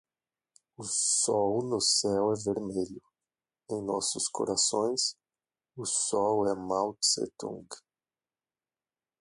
O sol no céu é vermelho, em nossos corações, o sol é Mao Zedong